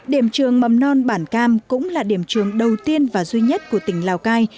điểm trường mầm non bản cam cũng là điểm trường đầu tiên và duy nhất của tỉnh lào cai